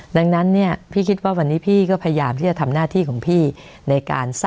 ดังนั้นเนี่ยพี่คิดว่าวันนี้พี่ก็พยายามที่จะทำหน้าที่ของพี่ในการ